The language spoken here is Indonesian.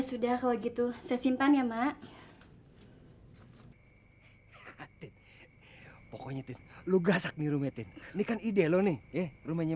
sudah kalau gitu saya simpan ya mak pokoknya tuh lu gasak nih rumitin ini kan ide lo nih ya rumahnya